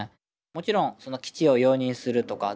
もちろん基地を容認するとか